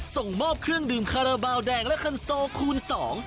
ส่งมอบเครื่องดื่มคาราบาลแดงและคันโซคูณสอง